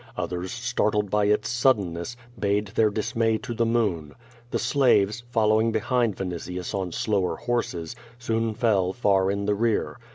Others startled by its suddenness, bayed their dismay to the moon. The slaves, following behind Vin itius on slower horses, soon fell far in the rear.